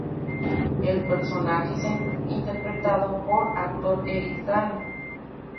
El personaje es interpretado por el actor Eric Dane.